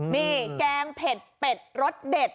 นี่แกงเผ็ดเป็ดรสเด็ด